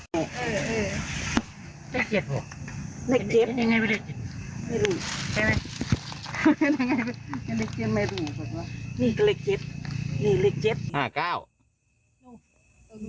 เหล็กเจ็บ